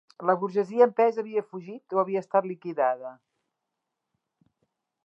La burgesia en pes havia fugit, o havia estat liquidada